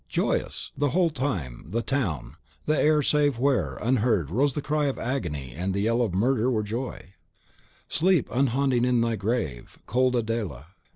Joyous! the whole time, the town, the air save where, unheard, rose the cry of agony and the yell of murder were joy! Sleep unhaunting in thy grave, cold Adela.